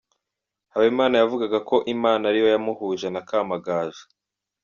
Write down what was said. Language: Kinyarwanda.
Habimana yavugaga ko Imana ariyo yamuhuje na Kamagaju.